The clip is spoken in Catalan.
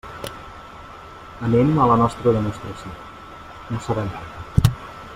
Anem a la nostra demostració; no serà llarga.